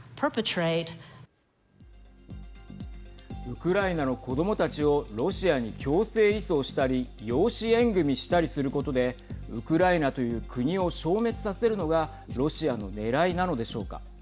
ウクライナの子どもたちをロシアに強制移送したり養子縁組したりすることでウクライナという国を消滅させるのがロシアのねらいなのでしょうか。